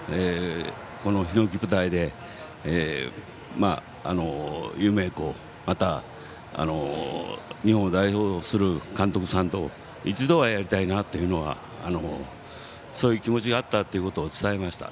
このひのき舞台で、有名校また、日本を代表する監督さんと一度はやりたいなとそういう気持ちがあったことを伝えました。